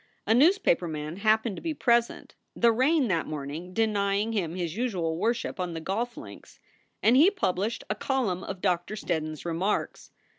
A newspaper man happened to be present the rain that morning denying him his usual worship on the golf links and he published a column of Doctor Steddon s remarks.